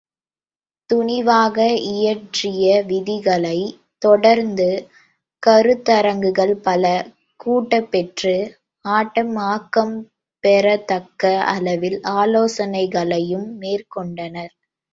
துணிவாக இயற்றிய விதிகளைத் தொடர்ந்து, கருத்தரங்குகள் பல கூட்டப்பெற்று, ஆட்டம் ஆக்கம் பெறத்தக்க அளவில் ஆலோசனைகளையும் மேற்கொண்டனர்.